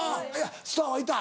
スターはいた？